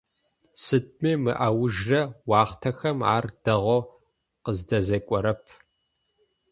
Сыдми мы аужрэ уахътэхэм ар дэгъоу къыздэзекӀорэп.